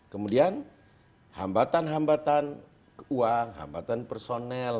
kemudian hambatan hambatan uang hambatan personel